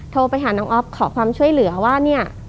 โทรไปหาน้องอ๊อฟขอความช่วยเหลือว่าเนี่ย